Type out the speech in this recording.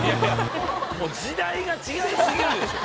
時代が違い過ぎるでしょ！